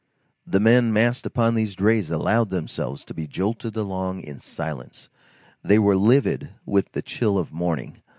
The men massed upon the drays allowed themselves to be jolted along in silence. They were livid with the chill of morning.